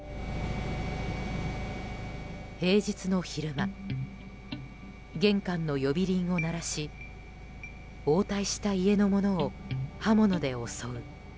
平日の昼間玄関の呼び鈴を鳴らし応対した家の者を刃物で襲う。